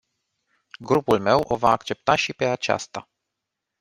Grupul meu o va accepta și pe aceasta.